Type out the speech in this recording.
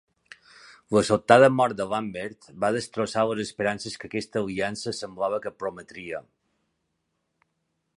La sobtada mort de Lambert va destrossar les esperances que aquesta aliança semblava que prometria.